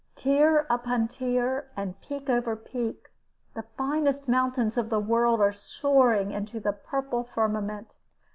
Tier upon tier, and peak over peak, the finest mountains of the world are soaring into the purple firmament.